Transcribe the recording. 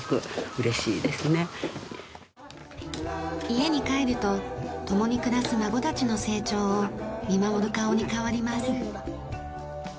家に帰ると共に暮らす孫たちの成長を見守る顔に変わります。